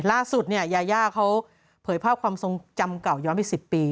ล่าสุดเนี่ยยาย่าเขาเผยภาพความทรงจำเก่าย้อนไป๑๐ปี